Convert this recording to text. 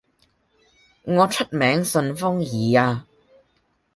我出名順風耳呀